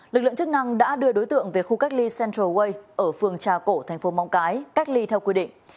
lực lượng chức năng đã đưa đối tượng về khu cách ly central way ở phường trà cổ tp mong cái cách ly theo quy định